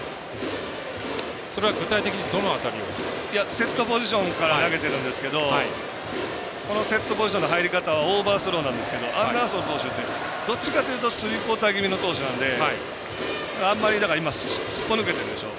セットポジションから投げてるんですけどこのセットポジションの入り方オーバースローなんですけどアンダーソン投手はどっちかというとスリークオーター気味の投手なので今、すっぽ抜けてるでしょ。